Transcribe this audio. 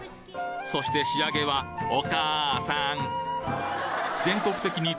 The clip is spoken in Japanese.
そして仕上げはお母さん！